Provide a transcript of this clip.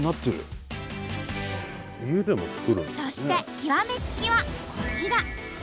そして極め付きはこちら。